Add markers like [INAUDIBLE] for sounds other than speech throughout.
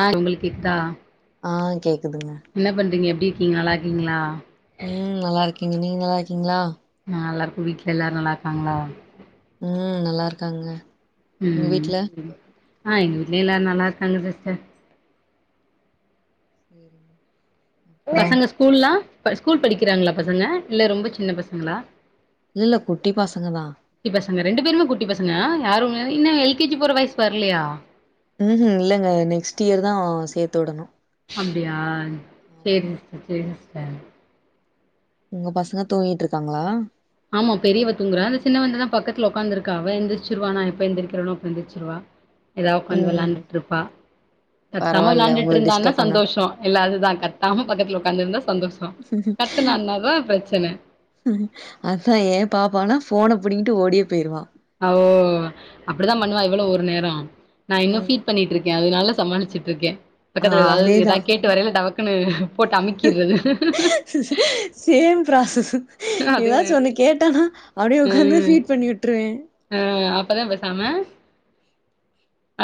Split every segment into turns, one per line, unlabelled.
ஆ உங்களுக்கு இத்தா
ஆ கேக்குதுங்க
என்ன பண்ணுறீங்க எப்டி இருக்கீங்க நல்லா இருக்கீங்களா
ம் நல்லா இருக்கீங்க நீங்க நல்லா இருக்கீங்களா
நா நல்லா இருக்க வீட்ல எல்லாரு நல்லா இருக்காங்களா
ம் நல்லா இருக்காங்க உங்க
ம்
வீட்ல
ஆ எங்க வீட்லையு எல்லாரு நல்லா இருக்காங்க சிஸ்டர்
ம்
பசங்க ஸ்கூல்லெல்லா ஸ்கூல் படிக்கிறாங்களா பசங்க இல்ல ரொம்ப சின்ன பசங்களா
இல்ல இல்ல குட்டி பசங்க தா
ட்டி பசங்க ரெண்டு பேருமே குட்டி பசங்க அ யாரு இன்னு எல்கேஜி போற வயசு வரலையா
ம்ஹூம் இல்லங்க நெக்ஸ்ட் இயர் தா சேத்து வுடணு
அப்டியா சேரி சிஸ்டர் சேரி சிஸ்டர்
உங்க பசங்க தூங்கிட்டு இருக்காங்ளா
ஆமா பெரியவ தூங்கற சின்னவ இந்தத பக்கத்துல உக்காந்து இருக்கா அவ எந்திரச்சிருவ நா எப்ப எந்திரிக்கிறோனோ அப்பவே எந்திரிச்சிருவா ஏதாவது உட்காந்து
ம்
விளாண்டுட்டு இருப்பா கத்தாம
பரவால்ல
விளாண்டுட்டு
உங்கள
இருந்தான்னா
டிஸ்டர்ப் பண்ணா
சந்தோஷோ இல்லதுதா கத்தாம பக்கத்துல உட்காந்துருந்தா சந்தோஷோ கத்துனனாதா பிரச்சன
அதா ஏன் பாப்பானா ஃபோன புடிங்கிட்டு ஓடியே போயிடுவா
ஓ அப்படிதா பண்ணுவா இவளு ஒரு நேரோ நா இன்னு
ம்
ஃபீட் பண்ணிட்டு இருக்கே அதுனால சமாளிச்சு இருக்கே
ஆ
பக்கத்துல ஏதாவது
அதேதா
ஏதா கேட்டு வரேள டமக் குனு போட்டு அமிக்கிறது
சேம் ப்ராசஸ் ஏதாச்சு ஒன்னு
அ
கேட்டனா அப்படியே உட்காந்து ஃபீட் பண்ணி விட்டுருவே
ம் அப்பதா பேசாம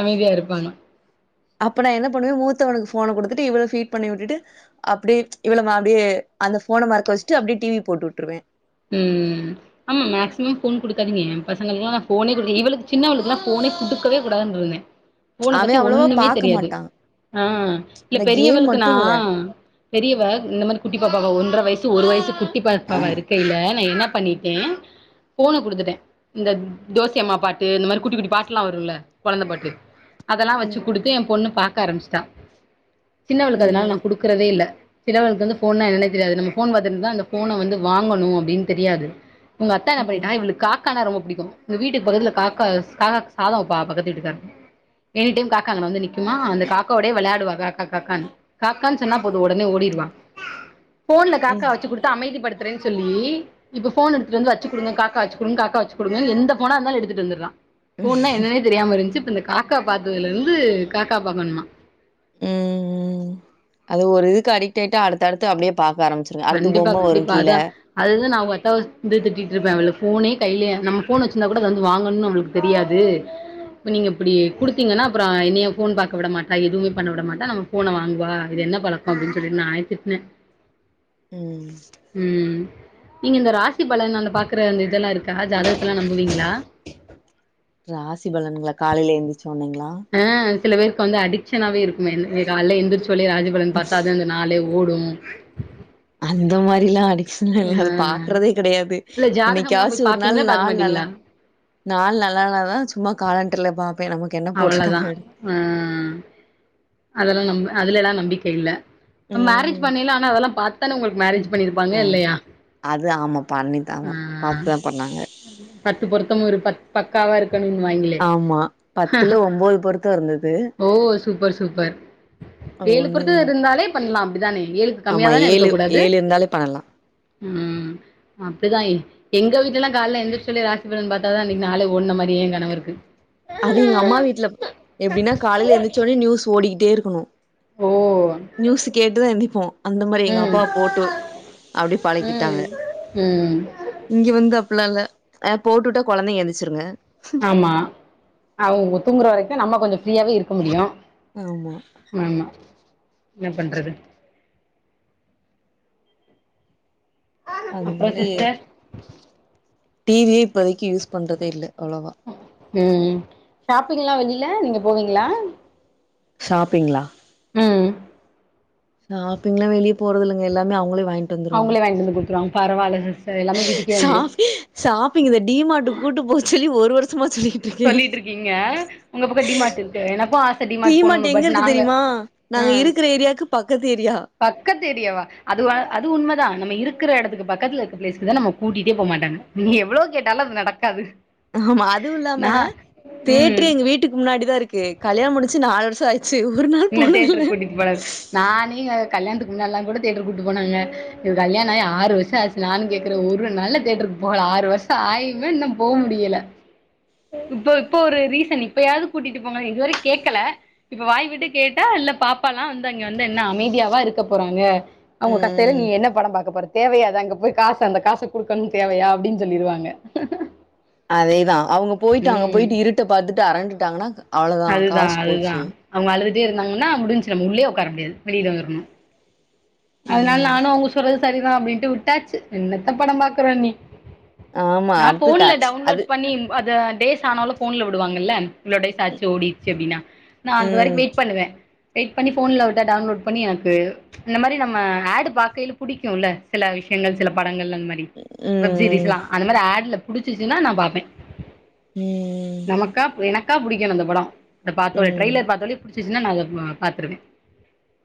அமைதியா இருப்பாங்க
அப்ப ந என்ன பண்ணுவே மூத்தவனுக்கு ஃபோன குடுத்துட்டு இவளுக்கு பீட் பண்ணி விட்டு அப்டியே இவளமா அப்படியே அந்த ஃபோன மறக்க வச்சுட்டு அப்டியே டிவி போட்டு விட்டுருவே
ம் ஆமா மேக்சிமம் போன் குடுக்காதீங்க என் பசங்களல்லா போனே குடுக்கல இவளுக்கு சின்னவளுக்கெல்லா போனே குடுக்கவே கூடாதுனிருந்தே போன பத்தி
அவன் அவ்வளவா
ஒண்ணுமே
பாக்க
தெரியாது
மாட்டான்.
ஆ இல்ல
அந்த கேம்
பெரியவளுக்கு நா
மட்டும் விளையாடு
பெரியவ இந்த மாரி குட்டி பாப்பாவா ஒன்ற வயசு ஒரு வயசு குட்டி பாப்பாவா இருக் நா என்ன பண்ணிட்டே போன குடுத்துட்டே இந்த தோசை அம்மா பாட்டு இந்த மாரி குட்டி குட்டி பாட்டு எல்லா வரும்ல கொழந்த பாட்டு அதல்லா வச்சு
ம்.
குடுத்து என் பொண்ணு பாக்க ஆரம்பிச்சுட்டா சின்னவளுக்கு அதனால நா
ம்.
குடுக்குறதே இல்ல சின்னவளுக்கு வந்து போன்னா என்னென்னே தெரியாது நம்ம போன் பாத்துடு இருந்தா அந்த போன வந்து வாங்கணு அப்படின் தெரியாது உங்க அத்தா என்ன
ம்.
பண்ணிட்டா இவளுக்கு கா க்கானா ரொம்ப புடிக்கு இந்த வீட்டுக்கு பக்கத்துல காக்கா காக்கா சாதம் வப்பா பக்கத்து வீட்டுக்காரு எனி டைம் காக்கா அங்க வந்து நிக்குமா அந்த காக்கோடே விளையாடுவா காக்கா காக்கான்னு காக்கான்னு சொன்னா போது உடனே ஓடிடுவா போன்ல காக்கா
ம்.
வச்சு குடுத்து அமைதிப்படுத்த தரேன் சொல்லி இப்ப போன் எடுத்துட்டு வந்து வச்சு குடுங்க காக்கா வச்சு குடுங்க காக்கா வச்சு குடுங்க எந்த போனா இருந்தாலு எடுத்துட்டு வந்துடுறா போன்னா என்னன்னே தெரியாம இருந்துச்சு இப்ப இந்த காக்கா பாத்ததுல இருந்து காக்கா பாக்கணுமா
ம் ம் அது ஒரு இதுக்கு அடிக்ட் ஆயிட்டா அடுத்தடுத்து அப்படியே பாக்க ஆரம்பிச்சு அடுத்து பொம்ம வரு கீழ
அதுதா நா அவுங்க அத்தாவ வந்து திட்டிட்டு இருப்பே போனே கையில நம் போன் வச்சுந்தா கூட அத வந்து வாங்கனு நம்ளுக் தெரியாது இப்ப நீங்க இப்படி குடுத்தீங்கன்னா அப்புற என்னைய போன் பாக்க விட மாட்டா எதுமே பண்ண விட மாட்டா நம்ம போன வாங்குவா இது என்ன பழக்கம் அப்படின்னு சொல்லிட்டு நானே திட்ன
ம்
ம் நீங்க இந்த ராசி பலன் நாங்க பாக்குற அந்த இதெல்லா இருக்கா ஜாதகத்தெலா நம்புவீங்களா
ராசிபலனுங்கள காலைல எழுந்திச்சோனேங்ளா
ஆ சில பேருக்கு வந்து அடிக்ஸனாவவே இருக்குமே கால்லே எந்திரிச்சோலே ராசி பலன் பாத்தா அது நாளே ஓடு
அந்த மாரிலா அடிக் இல்ல இல்ல
ஆ
அது பாக்குறதே கெடையாது
இல்ல ஜாதகம்லா
என்னைக்கயாச்சு
போய்
ஒரு நாள்
பாப்பீங்களா பாக்க
நாள் நல்லா
மாட்டீங்களா
நாள் நல்லால்னாதா சும்மா காலெண்டர்ல பாப்பேன் நமக்கு என்ன
அவ்வளதா
போட்ருக்காங்க அப்டின்.
ம் அதெல்லா நம்ப அதுல எல்லா நம்பிக்கை இல்ல மேரேஜ்
ம்
பண்ணில ஆனா அதெல்லா பார்த்தான உங்களுக்கு மேரேஜ் பண்ணிருப்பாங்க
ஆ
இல்லையா
அது ஆமா பண்ணித்தாவ
ம்
பாத்துதா பண்ணாங்க
பத்து பொருத்தமு இரு பத் பக்காவா இருக்கணுன் வாய்ங்க
ஆமா பத்துல ஒம்போது பொருத்த இருந்தது
ஓ சூப்பர் சூப்பர்
அது
ஏழு
ஒண்ணுல
பொருத்து
மட்டு
இருந்தாலே பண்லா அப்டிதானே ஏழுப்
ஆமா
கம்மியாதானே இருக்க
ஏழு
கூடாது
ஏழு இருந்தாலே பண்ணலா
ம் அப்டிதா இன் எங்க வீட்லலா கால்ல எந்திர்ச்சொல்லே ராசிபலன் பத்தாதான் அன்னைக்கு நாளே ஓட்ன மாரி ஏன் கணவருக்கு
அது எங்க அம்மா வீட்லப் எப்டினா காலைல எந்திச்சோனே நியூஸ் ஓடிகிட்டேருக்கணு
ஓ
நியூஸ் கேட்டுதா எந்திப்போ அந்த மாரி
ம்
எங்கப்பா போட்டு அப்டி பழக்கிட்டாங்க
ம் ம்
இங்க வந்து அப்பல்லா இல்ல அ போட்டுட்டா கொழந்தைங்க எந்திச்சிருங்க
ம்மா அவுங்க தூங்கற வரைக்கு நம்ம கொஞ்ச ஃப்ரீயாவே இருக்க முடியு
ஆமா
ஆமா என்ன பண்றது அப்ற
அதனால
சிஸ்டர்
டிவிய இப்பதைக்கு யூஸ் பண்றதே இல்ல அவ்ளவா
ம் ஷாப்பிங்லா வெளில நீங்க போவீங்ளா
ஷாப்பிங்ளா
ம்
ஷாப்பிங்ளா வெளியப் போறதில்லங்க எல்லாமே அவுங்களே வாய்ங்
அவுங்களே வாய்ன்ட்டு வந்து குடுத்துருவாங்க பரவால சிஸ்டர் எல்லாமே வீட்டுக்கே வந்துரும்
ஷாப் ஷாப்பிங் இந்த டி மார்ட்டுக் கூட்டு போ சொல்லி ஒரு வருஷமா சொல்லிகிட்
சொல்லிட்ருக்கீங்க உங்க பக்க டி மார்ட் இருக்கு எனக்கு ஆச்
டீ மார்ட்டு எங்க இருக்கு தெரியுமா நாங்க
ம்
இருக்கிற ஏரியாவுக்கு பக்கத்து ஏரியா
பக்கத்து ஏரியாவா அதுவா அது உண்மதா நம்ம இருக்கிற எடத்துக்கு பக்கத்ல இருக்க பிளேஸ்க்குதா நம்ம கூட்டிட்டே போ மாட்டாங்க நீ எவ்ளோ கேட்டாலு அது நடக்காது
ஆமா அதுவு இல்லாம
நா ம்
தேட்ரே எங்க வீட்டுக்கு முன்னாடிதா இருக்கு கல்யாணம் முடிச்சு நாலு வருஷம் ஆய் ச்சு ஒரு நாள்
என்ன
போனதில
தேட்டருக்கு கூட்டிட்டு போனாங்க நானே இங்க கல்யாண்த்துக்கு முன்னால்லாங் கூட தேட்ரு கூட்டு போனாங்க இவ கல்யாண ஆயி ஆறு வர்ஷ ஆச் நானுங் கேக்றே ஒரு நல்ல தேட்ருக்கு போகல ஆறு வர்ஷ ஆயுமே இன்னும் போ முடியல இப்போ இப்ப ஒரு ரீசன் இப்பயாது கூட்டிட்டு போங்க இதுவரைக் கேக்கல இப்ப வாய்விட்டு கேட்டா இல்லப் பாப்பாலா வந்து அங்க வந்து என்ன அமைதியாவா இருக்கப் போறாங்க அவுங்க கத்தையில
ம்
நீ என்னப் படம் பாக்க போற தேவையா அது அங்கப் போய் காச அந்தக் காச குடுக்கணும் தேவையா அப்டின் சொல்லிருவாங்க
அதேதா அவுங்க போய்ட்டு அங்க
ம்
போய்ட்டு இருட்ட பாத்துட்டு அறண்டுட்டாங்கனா அவ்ளோதா காசு போச்சு
அவுங்க அழுதுட்டே இருந்தாங்கன்னா முடிஞ்சு நம்ம உள்ளியே ஒக்கார முடியாது வெளில வர்ணு அதனால்
ம்
நானு அவுங்க சொல்றது சரிதா அப்டின்ட்டு விட்டாச்சு என்னத்தப் படம் பாக்குறோ நீ
ஆமா
நா
அடுத்து க
ஃபோன்ல டவுன்லோட்
அது
பண்ணிம் அத டேஸ் சானோலோ ஃபோன்ல விடுவாங்கல்ல இவ்ளோ டேஸ் ஆச்சு ஓடிச்சி அப்டினா நா அது வரைக்
ம்
வெயிட் பண்ணுவே வெயிட் பண்ணி ஃபோன்ல வுட்ட டவுன்லோட் பண்ணி எனக்கு இந்த மாரி நம்ம ஆடுப் பாக்கெயிலப் புடிக்குல்ல சில விஷ்யங்கள் சிலப் படங்கள் அந்த மாரி வெப்
ம்
சீரிஸ்லா அந்த மாரி ஆட்ல புடிச்சிச்சினா நா பாப்பே
ம் ம்
நமக்காப் எனக்காப் புடிக்கனு அந்த படோ அதப் பாத்தோட
ம்
ட்ரைலர் பாத்தோலே புடிச் ச்சிச்சினா நா அதப் பா பாத்ருவே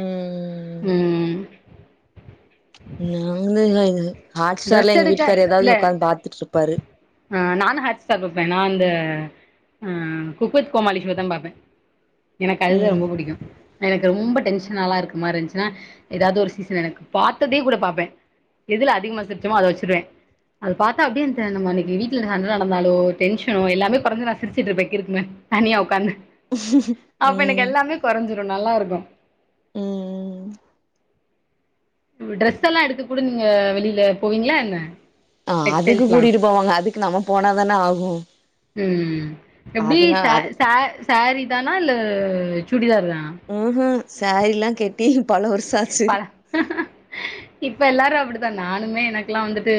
ம்
ம்
நாங்க இங்க எங்க ஹாட்ஸ்டார்ல
ட்ரெஸ்
எங்க
எடுக்க
வீட்டுக்காரு எதாவது
இல்ல
ஒக்காந்து பாத்துட்ருப்பாரு
ஆ நானு ஹாட்ஸ்டார் பாப்பே நா இந்த ஆ குக்வித் கோமாலி ஷோதா பாப்பே எனக்கு அதுதா
ம்
ரொம்ப புடிக்கு எனக்கு ரொம்ப டென்ஷனாலா இருக்கு மாரி இருந்துச்சுன்னா ஏதாவது ஒரு சீசன் எனக்கு பாத்ததே கூட பாப்பே எதுல அதிகமா சிரிச்சமோ அத வச்சுருவே அது பாத்தா அப்படியே நம்ம அன்னைக்கு வீட்ல சண்ட நடந்தாளோ டென்ஷனோ எல்லாமே கொறஞ்சு நா சிரிச்சுட்ருப்பே கிறுக்கு மாரி தனியா உக்காந்து அப்ப எனக்கு
ம்
எல்லாமே கொறஞ்சிரு நல்லாருக்கு
ம்
ட்ரெஸ்செல்லா எடுத்து கூட நீங்க வெளியில போவீங்களா என்ன
ஆ அதுக்கு
டெக்ஸ்டைல்ஸ்லா
கூட்டிகிட்டு போவாங்க அதுக்கு நம்ம போனா தான ஆகு
ம் எப்டி
அதுனா
ச
அது
ச சாரீ தானா இல்ல சுடிதார் தானா
ம் சாரிலா கெட்டி பல வருஷ ஆச்சு
பல இப்ப எல்லாரு அப்டித்தா நானுமே எனக்கெல்லா வந்துட்டு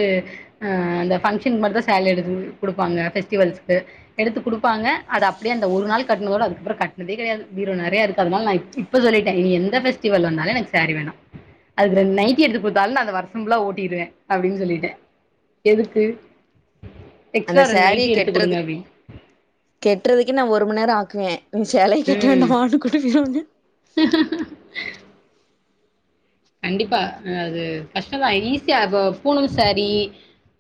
ஆ அந்த ஃபங்க்ஷன் மட்டுந்தா சேல எடுத்து வந் குடுப்பாங்க ஃபெஸ்டிவல்ஸ்க்கு எடுத்து குடுப்பாங்க அது அப்டியே அந்த ஒர் நாள் கட்டினதோட அதுக்கப்றோ கட்டினதே கெடையாது பீரோ நறைய இருக்கு அதனால நா இப் ப சொல்லிட்டே இனி எந்த ஃபெஸ்டிவல் வந்தாலு எனக் சாரி வேணா அதுக்கு ரெண்டு நைட்டி எடுத்து குடுத்தாலு நா அத வருஷம்புள்ளா ஓட்டிற்வே அப்டின் சொல்லிட்டே எதுக்கு எக்ஸ்ட்ரா ரெண் நைட்டி எடுத்து குடுங்க அப்டின்
கெட்டுறதுக்கே நா ஒரு மண் நேர ஆக்குவே நீ சேலயே கெட்ட வேண்டா
ம்
மானு குடு [UNINTELLIGIBLE]
கண்டிப்பா அது கஷ்டந் தா ஈஸியா கோ பூண சாரி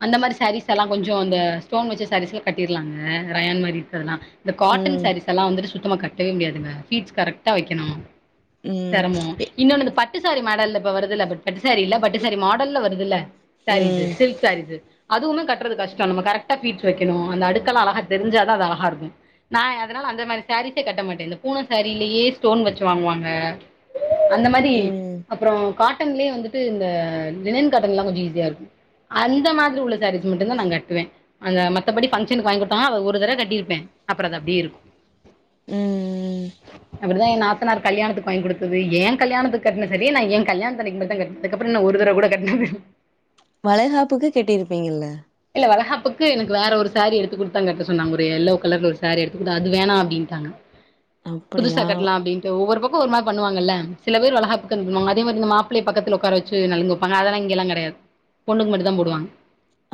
அந்த மாரி சாரீஸ்ஸெல்லா கொஞ்சோ இந்த ஸ்டோன் வச்ச சாரீஸ்ல்லா கட்டிர்லாங்க ரயான் மேரி இர்கரெல்லா இந்த காட்டன்
ம்
சாரீஸ்ஸெல்லா வந்துட்டு சுத்தமா கட்டவே முடியாதுங்க ஃபீட்ஸ் கரெக்டா வெக்கணு
ம்
செரமோ
எ
இன்னொன்னு அந்த பட்டுசாரீ மேட் டல்ல இப்ப வருதுல்ல பட்டுசாரீ இல்ல படுசாரீ மாடல்ல வருதுல்ல சாரீஸு
ம்
சில் கு சாரீஸு அதுவ்மே கட்றது கஷ்டோ நம்ம கரெக்டா பீட்ஸ் வெக்கணு அந்த அடுக்கெல்லா அழகா தெரிஞ்சாதா அது அழகா இருக்கு நா அதனால அந்த மாரி சாரீஸே கட்ட மாட்டே இந்த பூன சாரீலேயே ஸ்டோன் வச்சி வாங்குவாங்க அந்த மாரி
ம்
அப்றோ காட்டன்லயே வந்துட்டு இந்த லினன் காட்டன்ல்லா கொஞ்சோ ஈஸியா இருக்கு அந்த மாதிரி உள்ள சாரீஸ் மட்டுந்தா நா கட்டுவே அத மத்தபடி ஃபங்க்ஷனுக்கு வாங்கி குட்டாங்கன அத ஒரு தரவ கட்டியிருப்பே அப்பற அது அப்டியே இருக்கு
ம்
அப்டிதா ஏ நாத்தனாரு கல்யாணத்துக்கு வாங்கி குடுத்தது ஏ கல்யாணத்துக்கு கட்ன சாரீயே நா ஏ கல்யாணத்தண்ணிக்கு மட்தா கட் அதுக்கப்பற நா ஒரு தரவ கூட கட்னதில்
வளெகாப்புக்கு கெட்டியிருப்பீங்கல்ல
இல்ல வளகாப்புக்கு எனக்கு வேற ஒரு சேரீ எடுத்து குடுத்தா கட்ட சொன்னாங்க ஒரு எல்லோ கலர்ல ஒரு சேரீ எடுத் குடுத் அது வேணா அப்டின்ட்டாங்க புதுசா
அப்படியா
கட்லா அப்டின் ஒவ்வொரு பக்கோ ஒருவ்வொரு மார் பண்ணுவாங்கல்ல சில பேர் வளகாப்க் என்ன பண்ணுவாங் அதே மார் இந்த மாப்ளே பக்கத்துல ஒக்காரவச் சி‌ நலங்கு வப்பாங்க அதெல்லா இங்கெல்லா கெடையாது பொண்ணு மட்டுந் தா போடுவாங்க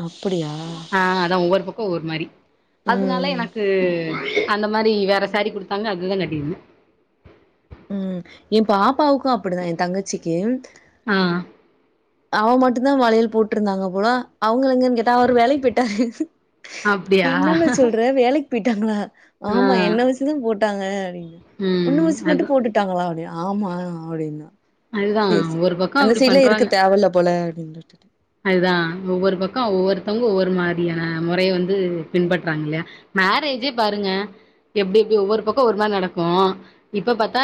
அப்படியா
ஆ அதா ஒவ்வொர் பக்கோ ஒவ்வொர் மாரி அதுனால
ம்
எனக்கு அந்த மாரி வேற சாரீ குடுத்தாங்க அதுதா கட்டிருந்த
ம் ஏ பாப்பாவுக்கு அப்படிதா ஏ தங்கச்சிக்கு
ஆ
அவ மட்டுந்தா வளையல் போட்ருந்தாங்க போல அவுங்கள எங்கன்னு கே தா அவரு வேலக் போயிட்டாரு
அப்டியா
என்ன புள்ள சொல்ற வேலக் பெய்ட்டாங்களா
ஆ
ஆமா என்ன வசுதா போட்டாங்க
ம்
உன்னு வச்சு மட்டு
அதா
போட்டு விட்டாங்களா அப்டி ஆமா அப்படின்ன
அதுதா ஒரு பக்க அப்டி பண்றாங்க
அவல்ல போல ந்துட்டு
அதுதா ஒவ்வொர் பக்கோ ஒவ்வொர்த்தங் ஒவ்வொர் மாரியான மொறய வந்து பின்பற்றாங்கல்லயா மேரேஜ்ஜே பாருங்க எப்டி எப்டி ஒவ்வொர் பக்கோ ஒரு மார் நடக்கோ இப்ப பாத்தா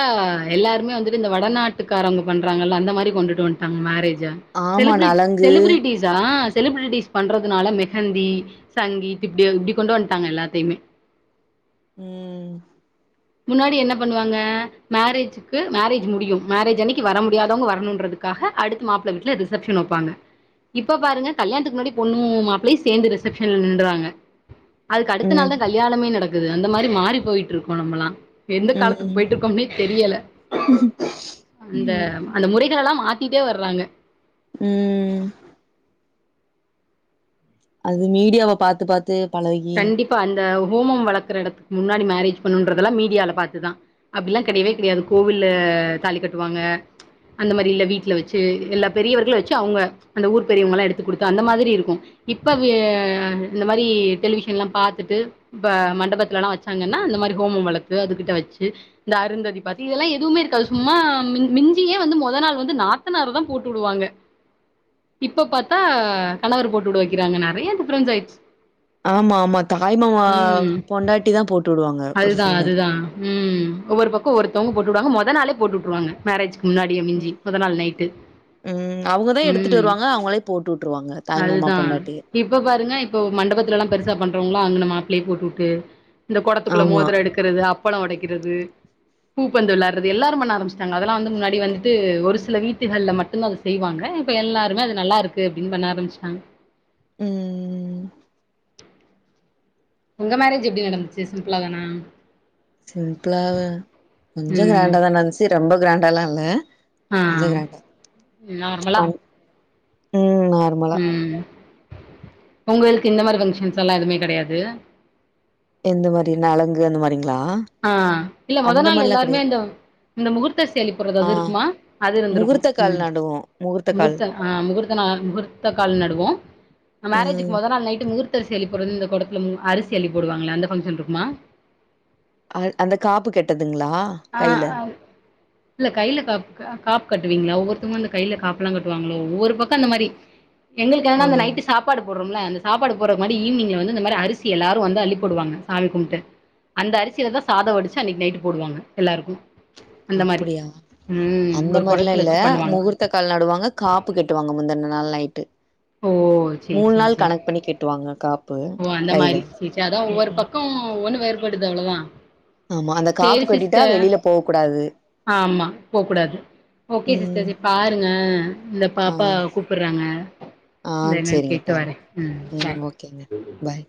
எல்லாருமே வந்துட்டு இந்த வடநாட்டுக்காரங்க பண்றாங்கல்ல அந்த மாரி கொண்டுட்டு வன்ட்டாங்க மேரேஜ
ஆமா நலங்கு
ந்தீஸ்ஸா செலிபிரிட்டிஸ் பண்றதுனால மெஹந்தி சங்கீத் இப்டி இப்டி கொண்டு வன்ட்டாங்க எல்லாத்தியுமே
ம் ம்
முன்னாடி என்ன பண்ணுவாங்க மேரேஜுக்கு மேரேஜ் முடியும் மேரேஜ் அன்னக்கி வர முடியாதவங்க வரணுன்றதுக் காஹ அடுத்து மாப்புள வீட்ல ரிசெப்ஷன் வப்பாங்க இப்போ பாருங்க கல்யாணத்துக்கு முன்னாடியே பொண்ணு மாப்ளயு சேந்து ரிசெப்ஷன்ல நின்றாங்க அதுக்கு அடுத்த நாள்
ம்
தா கல்யாணமே நடக்குது அந்த மாரி மாறி போயிட்ருக்கோ நம்பல்லா எந்த காலத்துக்கு
ம்
போயிட்ருக்கோம்னே தெரியல அந்த
ம்
அந்த முறைகலெல்லா மாத் திட்டே வர்றாங்க
ம் ம் அது மீடியாவ பாத்து பாத்து பலகி
இப்ப அந்த ஹோமம் வளக்ற எடத்துக் முன்னாடி மேரேஜ் பண்ணுண்றதெல்லாம் மீடியால பாத்துதா அப்டிலா கெடயவே கெடயாது கோவில்ல தாலி கட்டுவாங்க அந்த மாரி இல்ல வீட்ல வச்சி எல்லா பெரியவர்களு வச்சி அவுங்க அந்த ஊர் பெரியவங்கல்லா எடுத்து குடுத்தா அந்த மாதிரி இருக்கு இப்ப வே இந்த மாரி டெலிவிஷன்லா பாத்துட்டு இப்ப மண்டபத்துலலா வச்சாங்கன்னா அந்த மாரி ஹோமம் வளத்து அதுக்கிட்ட வச்சு இந்த அருந்ததி பத்தி இதெல்லா எதுவுமே இருக்காது சும்மா மின் மின்ஞ்சியே வந்து மொத நாள் வந்து நாத்தனார் தா போட்டு உடுவாங்க இப்ப பாத்தா கணவரு போட்டு உட வெக்கிறாங்க நெறைய டிஃப்பரென்ஸ் ஆயிச்சு
ஆமா ஆமா தாய் மாமா
ம்
பொண்டாட்டி தா போட்டு உடுவாங்க ஒரு
அதுதா
சிலர்
அதுதா ம் ஒவ்வொரு பக்கோ ஒர்த்தோவ்ங்க போட்டு உடுவாங்க மொத நாளே போட்டு உட்ருவாங்க மேரேஜ்கு முன்னாடியே மிஞ்சி மொத நாள் நைட்டு
ம் அவுங்கதா எடுத்துட்டு
ம்
வருவாங்க அவுங்களே போட்டு உட்டுருவாங்க தாய்மாமா
அதுதா
பொண்டாட்டி
இப்ப பாருங்க இப்ப மண்டபத்துல லா பெருசா பண்றவங்களா அங்கன மாப்ளே போட்டு உட்டு இந்த கொடத்துக்குள்ள
ஆமா
மோதர எடு க்கிறது அப்பளோ ஒடைக்கிறது பூப்பந்து வெளாடுறது எல்லாரு பண்ண ஆரம்பச்சிடாங்க அதெல்லா வந்த முன்னாடி வந்துட்டு ஒரு சில வீட்டுகள்ல மட்டுதா செய்வாங்க இப்ப எல்லாருமே அது நல்லா இருக்கு அப்பிடினு பண்ண ஆரம்பச்சிட்டாங்க
ம் ம் ம் ம்
உங்க மேரேஜ் எப்டி நடந்துச்சு சிம்பிளா தானா
சிம்பிளா வா கொஞ்சோ
ம்
கிராண்டாதா நடந்துச்சு ரொம்ப கிராண்டல்லா இல்ல
ஆ
கொஞ்ச கிராண்டா
நார்மலா
ஆ ம் ஆர்மா
ம் உங்களுக்கு இந்த மாரி ஃபங்ஷன்ஸ் எல்லா எதுமே கெடையாது
எந்த மாரி நலங்கு அந்த மாரிங்களா
ஆ இல்ல மொத
அந்த
நாள்
மாரிலா
எல்லாருமே
கெடையாது
இந்த இந்த முகூர்த்த செயலி போறது அது இருக்குமா அது இருந்துருக்கு
கல்நடுவோ முகூர்த்
முகூர்த்த அ முகூர்த்த நாள் முகூர்த்த கால் நடுவோ மேரேஜுக்கு
ம்
மொத நாள் நைட்டு முகூர் த்த செயலி போறது இந்த கொடத்துல மு அரிசி அள்ளி போடுவாங்களல அந்த ஃபங்ஷன்ருக்குமா
அ அந்த காப்பு கெட்டதுங்களா
ஆ
கைல
அ இல்ல கையில காப் க காப் கட்டுவீங்களா ஒவ்வொருத்தங்க அந்த கையில காப்புலா கட்டுவாங்களோ ஒவ்வொரு பக்கோ அந்த மாறி எங்களுக்கு ஆனா
ஆ
அந்த நைட்டு சாப் ப்பாடு போடுறோம்ல அந்த சாப்பாடு போட்ற மாரி ஈவினிங்ல வந்து இந்த மாரி அரிசி எல்லாரு வந்து அள்ளிப்போடுவாங்க சாமி கும்ட்டு அந்த அரிசியிலதா சாத வடிச்சு அன்னைக்கு நைட்டு போடுவாங்க எல்லாருக்கு
அப்படியா அந்த
ஒரு
மாரில்லா
குடத்துல
இல்ல
வச்சு பண்ணுவாங்க
முகூர்த்த கால் நடுவாங்க காப்பு கெட்டுவாங்க முந்திண நாள் நைட்டு
ஓ சரி
மூணு
சரி
நாள்
சரி
கணக்கு பண்ணி கெட்டுவாங்க காப்
ஓ அந்த மாரி சச்சி அதா ஒவ்வொரு பக்கம் ஒ ஒண்ணு வேறுபடுது அவ்ளவுதா
ஆமா. அந்த காப்பு
சேரி
கட்டிட்டா
சிஸ்டர்
வெளில போகக்கூடாது.
ஆமா போக்கூடாது ஓகே
ம்.
சிஸ்டர்ஸ் பாருங்க இந்த
ஆ,
பாப்பா கூப்புறாங்க
ஆ
இந்த என்னனு
சரிங்க
கேட்டு
பாருங்க.
வரே ம் சா
ஓகேங்க பாய்